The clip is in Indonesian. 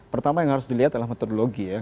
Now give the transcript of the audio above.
pertama yang harus dilihat adalah metodologi ya